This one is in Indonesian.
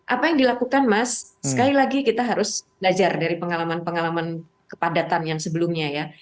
apa yang dilakukan mas sekali lagi kita harus belajar dari pengalaman pengalaman kepadatan yang sebelumnya ya